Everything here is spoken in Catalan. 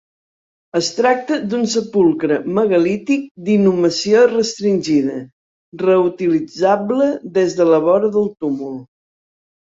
Es tracta d'un sepulcre megalític d'inhumació restringida, reutilitzable des de la vora del túmul.